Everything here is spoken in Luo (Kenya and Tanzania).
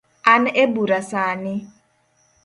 An ebura sani